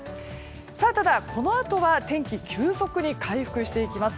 ただ、このあとは天気急速に回復していきます。